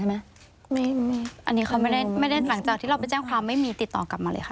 อันนี้เขาไม่ได้ไม่ได้หลังจากที่เราไปแจ้งความไม่มีติดต่อกลับมาเลยค่ะ